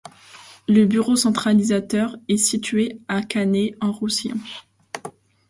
Le bureau centralisateur est situé à Canet-en-Roussillon.